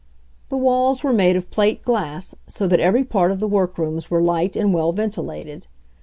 The walls were made of plate glass, so that every part of the workrooms were light and well ventilated.